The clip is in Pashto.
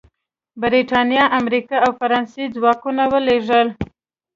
برېټانیا، امریکا او فرانسې ځواکونه ولېږل.